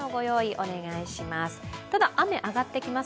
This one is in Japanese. お願いします。